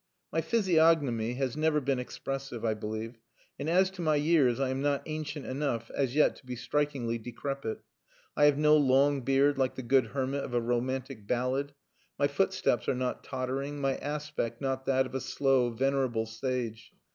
My physiognomy has never been expressive, I believe, and as to my years I am not ancient enough as yet to be strikingly decrepit. I have no long beard like the good hermit of a romantic ballad; my footsteps are not tottering, my aspect not that of a slow, venerable sage.